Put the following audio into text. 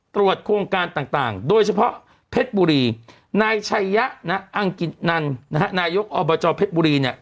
ต่างโดยเฉพาะเพชรบุรีนายชัยะอังกฤษนันนายกอบจเพชรบุรี